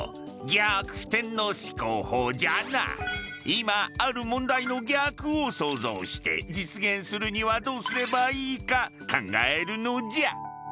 今ある問題の逆を想像して実現するにはどうすればいいか考えるのじゃ。